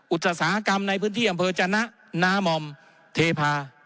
อุตสาหกรรมในพื้นที่อำเภอจนะนามอมเทพา